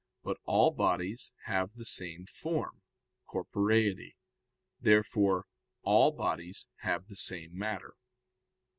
But all bodies have the same form, corporeity. Therefore all bodies have the same matter.